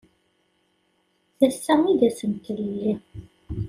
D ass-a i d ass n tlelli.